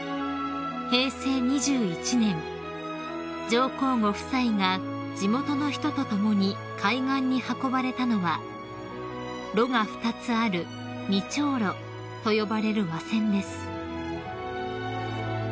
［上皇ご夫妻が地元の人と共に海岸に運ばれたのは櫓が２つある二挺櫓と呼ばれる和船です］